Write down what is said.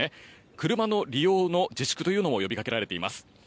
車の利用の自粛というのも呼びかけられています。